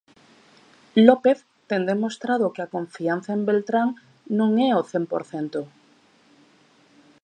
López ten demostrado que a confianza en Beltrán non é ao cen por cento.